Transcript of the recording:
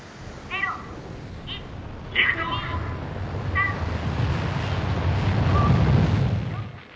「３４５６」。